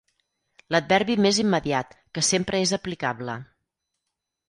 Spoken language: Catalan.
L'adverbi més immediat, que sempre és aplicable.